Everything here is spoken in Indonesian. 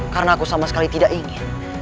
karena aku sama sekali tidak ingin